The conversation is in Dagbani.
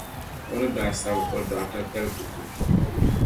O ni daa sabi O Dɔɣita tali buku.